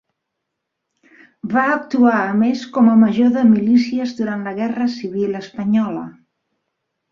Va actuar a més com a major de milícies durant la guerra civil espanyola.